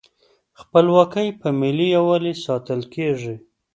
خپلواکي په ملي یووالي ساتل کیږي.